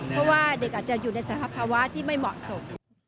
เพราะว่าเด็กอาจจะอยู่ในสภาวะที่ไม่เหมาะสม